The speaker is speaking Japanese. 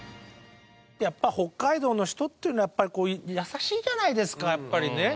やっぱ北海道の人っていうのは優しいじゃないですかやっぱりね。